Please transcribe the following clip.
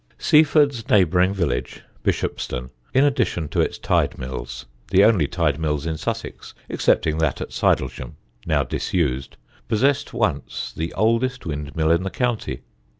[Sidenote: SEAFORD TO LEWES] Seaford's neighbouring village, Bishopstone, in addition to its tide mills the only tide mills in Sussex excepting that at Sidlesham, now disused possessed once the oldest windmill in the county.